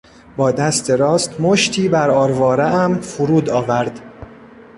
با دست راست مشتی بر آروارهام فرود آورد.